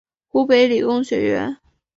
湖北理工学院